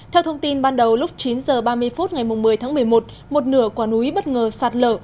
theo thông tin ban đầu lúc chín h ba mươi phút ngày một mươi tháng một mươi một một nửa quả núi bất ngờ sạt lở